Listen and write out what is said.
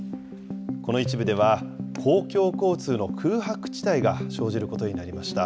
この一部では、公共交通の空白地帯が生じることになりました。